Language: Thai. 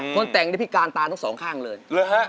คนแต่งได้พี่การตามทุกสองข้างเลย